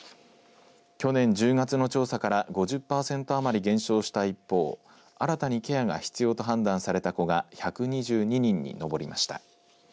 去年１０月の調査から５０パーセント余り減少した一方新たにケアが必要と判断された子が１２２人に上りました。